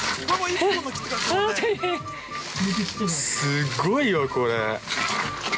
◆すごいわ、これ。